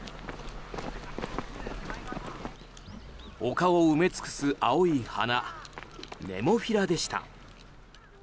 丘を埋め尽くす青い花ネモフィラでした。